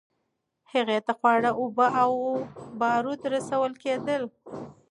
هغې ته خواړه، اوبه او بارود رسول کېدل.